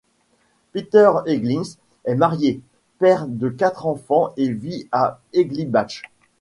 Peter Hegglin est marié, père de quatre enfants et vit à Edlibach.